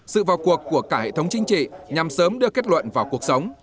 sự vào cuộc của cả hệ thống chính trị nhằm sớm đưa kết luận vào cuộc sống